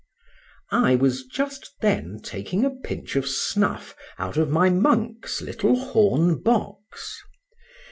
I was just then taking a pinch of snuff out of my monk's little horn box.